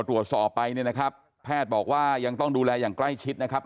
ตรวจสอบไปเนี่ยนะครับแพทย์บอกว่ายังต้องดูแลอย่างใกล้ชิดนะครับ